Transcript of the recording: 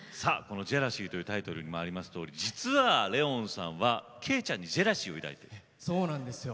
ジェラシーというタイトルにもありますけれど実はレオンさんは惠ちゃんにジェラシーを抱いているそうですね。